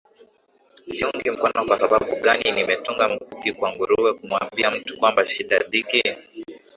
siungi mkono kwa sababu gani nimetunga mkuki kwa nguruwe kumwambia mtu kwamba shida dhiki